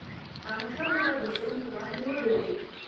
احمدشاه بابا به د ظلم پر وړاندې ودرید.